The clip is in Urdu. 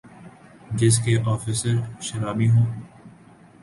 جس کے آفیسر شرابی ہوں